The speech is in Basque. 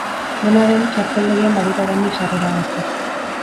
Dena den, txarteldegian badira oraindik sarrera batzuk.